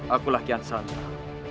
akulah kian santang